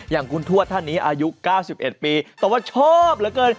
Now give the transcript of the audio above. อย่างคุณทวชท่านนี้อายุเก้าสิบเอ็ดปีแต่ว่าชอบเหลือเกิน